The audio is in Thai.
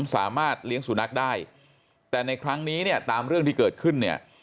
สามารถเลี้ยงสุนัขได้แต่ในครั้งนี้เนี่ยตามเรื่องที่เกิดขึ้นเนี่ย